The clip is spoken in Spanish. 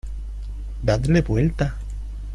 ¡ Dadle la vuelta!